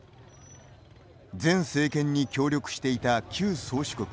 前政権に協力していた旧宗主国